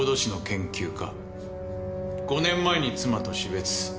５年前に妻と死別。